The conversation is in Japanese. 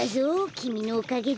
きみのおかげだ。